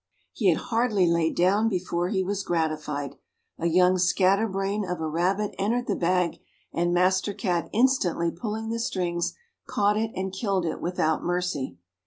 He had hardly laid down before he was gratified. A young scatterbrain of a rabbit entered the bag, and Master Cat instantly pulling the strings, caught it and killed it without mercy.